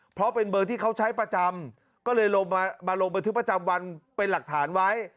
เพราะเป็นเบอร์ที่เขาใช้ประจำก็เลยลงมาลงบันทึกประจำวันเป็นหลักฐานไว้